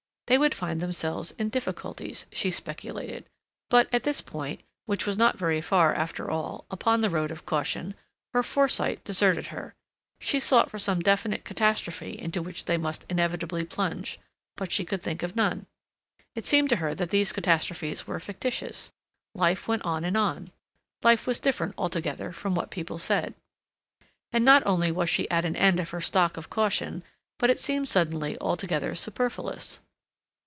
They would find themselves in difficulties, she speculated; but, at this point, which was not very far, after all, upon the road of caution, her foresight deserted her. She sought for some definite catastrophe into which they must inevitably plunge. But she could think of none. It seemed to her that these catastrophes were fictitious; life went on and on—life was different altogether from what people said. And not only was she at an end of her stock of caution, but it seemed suddenly altogether superfluous.